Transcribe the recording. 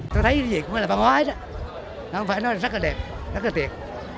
tôi thấy cái gì cũng là văn hóa ấy đó không phải nói là rất là đẹp rất là tuyệt